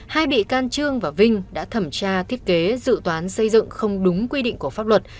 hai bị can trương và vinh đã thẩm tra thiết kế dự toán xây dựng không đúng quy định của pháp luật